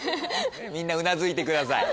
みんなうなずいてください。